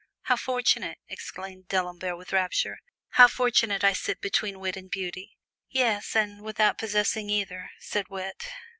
"How fortunate!" exclaimed D'Alembert with rapture; "how fortunate I sit between Wit and Beauty!" "Yes, and without possessing either," said Wit.